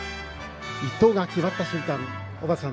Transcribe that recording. １等が決まった瞬間小畑さん